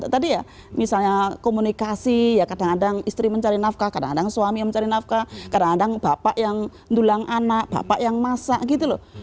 tadi ya misalnya komunikasi ya kadang kadang istri mencari nafkah kadang kadang suami mencari nafkah kadang kadang bapak yang dulang anak bapak yang masak gitu loh